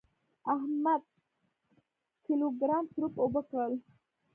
احمد کيلو ګرام سروپ اوبه کړل.